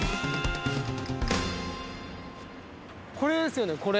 これですよねこれ。